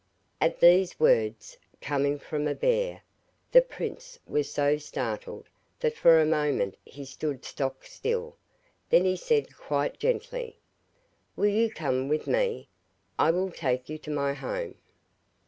At these words, coming from a bear, the prince was so startled that for a moment he stood stock still, then he said quite gently, 'Will you come with me? I will take you to my home.